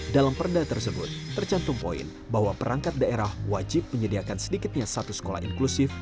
dalam perda tersebut tercantum poin bahwa perangkat daerah wajib menyediakan sedikitnya satu sekolah inklusif